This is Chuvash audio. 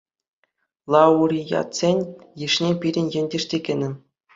Лауреатсен йышне пирӗн ентеш те кӗнӗ.